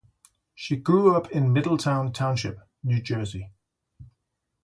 She grew up in Middletown Township, New Jersey.